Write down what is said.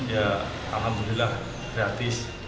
ya alhamdulillah gratis